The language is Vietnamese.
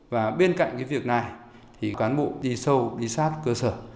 và bên cạnh cái việc này thì cán bộ đi sâu đi sát cơ sở